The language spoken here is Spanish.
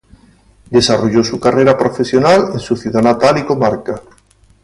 Desarrolló su carrera profesional en su ciudad natal y comarca.